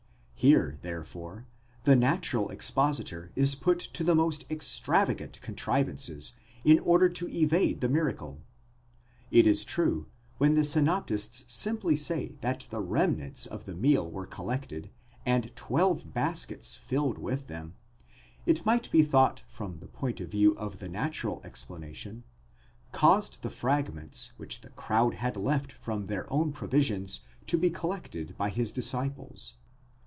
Here, therefore, the natural expositor is put to the most extravagant contrivances in order to evade the miracle. It is true, when the synoptists simply say that the remnants of the meal were collected, and twelve baskets filled with them, it might be thought from the point of view of the natural explanation, that Jesus, out of regard to the gift of God, caused the fragments which the crowd had left from their own provisions to be collected by his disciples.